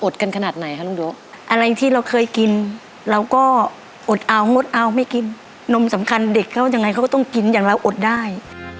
สาหารต้องมาถึงที่นี้